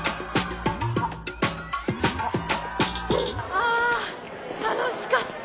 あ楽しかった！